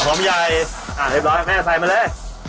หอมใหญ่เรียบร้อยแม่ใส่มาเลย